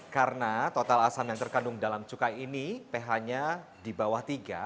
karena total asam yang terkandung dalam cuka ini ph nya di bawah tiga